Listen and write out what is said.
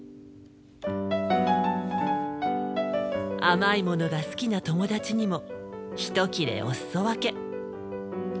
甘いものが好きな友達にもひと切れおすそ分け。